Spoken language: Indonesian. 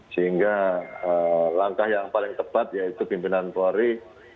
sehingga langkah yang paling tepat yaitu pimpinan polri